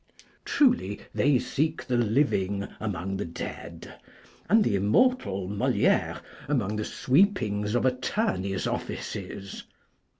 Truly they seek the living among the dead, and the immortal Moliére among the sweepings of attorneys' offices.